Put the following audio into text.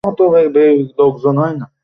তোমার সাবধান হওয়া উচিত।